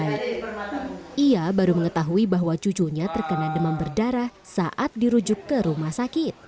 ia baru mengetahui bahwa cucunya terkena demam berdarah saat dirujuk ke rumah sakit